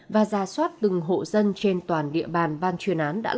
và ra soát từng hộ dân trên toàn địa bàn ban chuyên án đã lọc ra